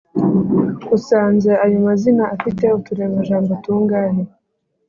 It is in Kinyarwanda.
usanze ayo mazina afite uturemajambo tungahe ?